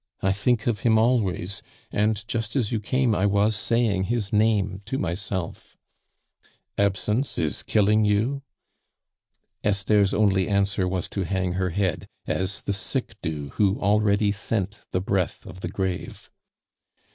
I think of him always; and just as you came, I was saying his name to myself." "Absence is killing you?" Esther's only answer was to hang her head as the sick do who already scent the breath of the grave.